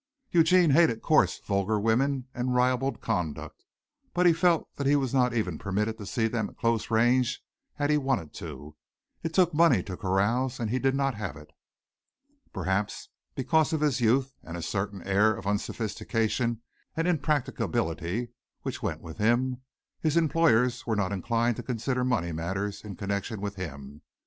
Eugene hated coarse, vulgar women and ribald conduct, but he felt that he was not even permitted to see them at close range had he wanted to. It took money to carouse and he did not have it. Perhaps, because of his youth and a certain air of unsophistication and impracticability which went with him, his employers were not inclined to consider money matters in connection with him.